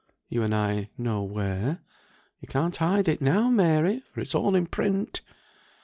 you and I know where. You can't hide it now, Mary, for it's all in print."